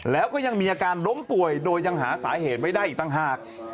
แล้วก็ยังมีอาการล้มป่วยโดยยังหาสาเหตุไม่ได้อีกต่างหาก